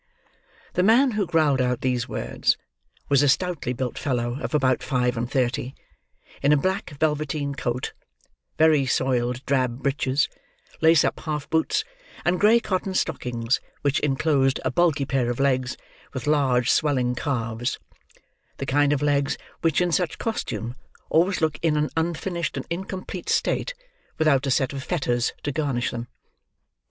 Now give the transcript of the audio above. The man who growled out these words, was a stoutly built fellow of about five and thirty, in a black velveteen coat, very soiled drab breeches, lace up half boots, and grey cotton stockings which inclosed a bulky pair of legs, with large swelling calves;—the kind of legs, which in such costume, always look in an unfinished and incomplete state without a set of fetters to garnish them.